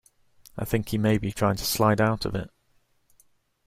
I think he may be trying to slide out of it.